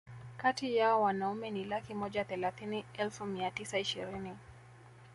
kati yao Wanaume ni laki moja thelathini elfu mia tisa ishirini